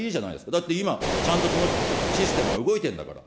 だって今、ちゃんとそのシステムは動いてるんだから。